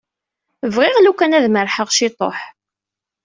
Bɣiɣ lukan ad merrḥeɣ ciṭuḥ.